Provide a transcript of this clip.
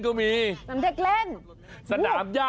ขอบคุณครับ